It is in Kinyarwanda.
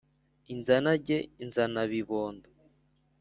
inzanage inzana bibondo ,